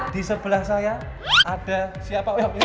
di sebelah saya ada siapa who